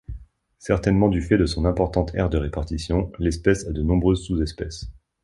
Certainement du fait de son importante aire de répartition, l'espèce a de nombreuses sous-espèces.